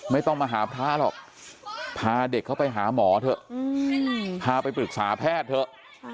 ไม่ต้องมาหาพระหรอกพาเด็กเขาไปหาหมอเถอะพาไปปรึกษาแพทย์เถอะ